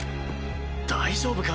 大丈夫か？